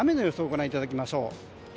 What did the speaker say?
ご覧いただきましょう。